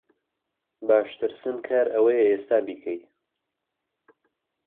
باشترسن کار ئەوەیە ئێستا بیکەی